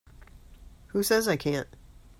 Who says I can't?